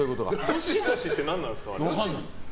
どしどしってなんですか。